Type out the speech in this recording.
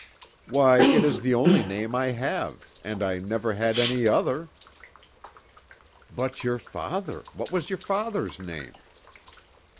"Why, it is the only name I have, and I never had any other." "But your father what was your father's name?"